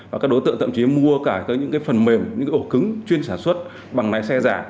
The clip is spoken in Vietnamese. và các đối tượng thậm chí mua cả những phần mềm những cái ổ cứng chuyên sản xuất bằng lái xe giả